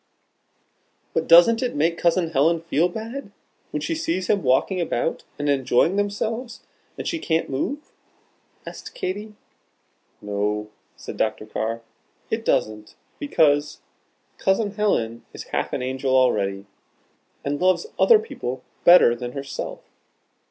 "But doesn't it make Cousin Helen feel bad, when she sees them walking about and enjoying themselves, and she can't move?" asked Katy. "No," said Dr. Carr, "it doesn't, because Cousin Helen is half an angel already, and loves other people better than herself.